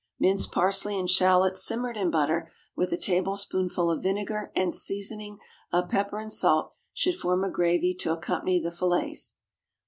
Minced parsley and shallots simmered in butter, with a tablespoonful of vinegar, and seasoning of pepper and salt, should form a gravy to accompany the fillets.